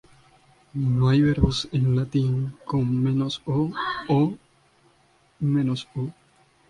No hay verbos en latín con -o o -u.